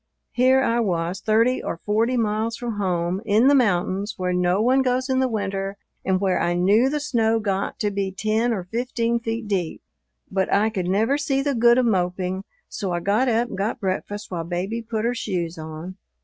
Here I was thirty or forty miles from home, in the mountains where no one goes in the winter and where I knew the snow got to be ten or fifteen feet deep. But I could never see the good of moping, so I got up and got breakfast while Baby put her shoes on.